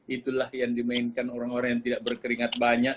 itulah yang dimainkan orang orang yang tidak berkeringat banyak